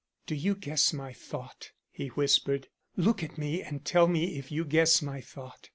"Do you guess my thought?" he whispered. "Look at me and tell me if you guess my thought."